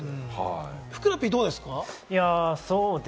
ふくらＰはどうですか？